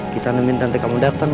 kita meminta tante kamu datang